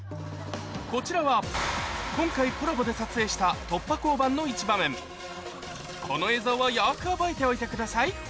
こちらは今回コラボで撮影したのいち場面この映像をよく覚えておいてください